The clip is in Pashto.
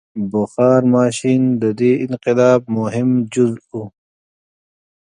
• بخار ماشین د دې انقلاب مهم جز و.